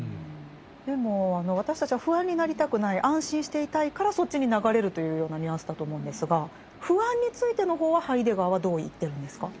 でもあの私たちは不安になりたくない安心していたいからそっちに流れるというようなニュアンスだと思うんですが「不安」についての方はハイデガーはどう言ってるんですか？